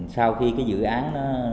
sau khi cái dự án